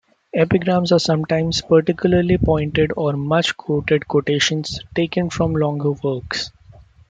Epigrams are sometimes particularly pointed or much-quoted quotations taken from longer works.